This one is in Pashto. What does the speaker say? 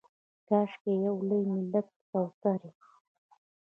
کاشکي یو لوی ملت کوترې